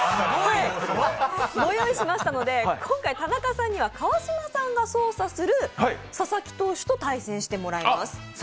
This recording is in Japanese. ご用意しましたので、今回、田中さんには川島さんが操作する佐々木投手と対戦してもらいます。